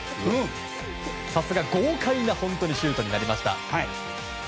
さすが豪快なシュートになりました。